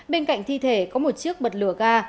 bên cạnh thi thể có một chiếc bật lửa ga